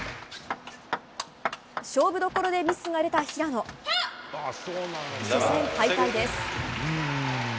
勝負どころでミスが出た平野初戦敗退です。